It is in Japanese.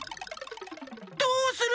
どうする？